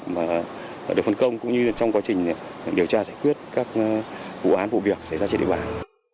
mà được phân công cũng như trong quá trình điều tra giải quyết các vụ án vụ việc xảy ra trên địa bàn